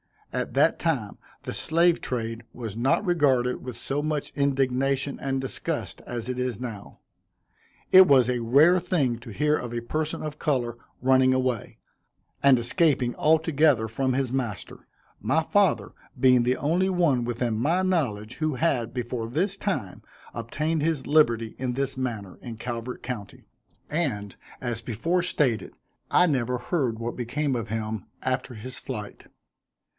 At that time the slave trade was not regarded with so much indignation and disgust, as it is now. It was a rare thing to hear of a person of color running away, and escaping altogether from his master: my father being the only one within my knowledge, who had, before this time, obtained his liberty in this manner, in Calvert county; and, as before stated, I never heard what became of him after his flight.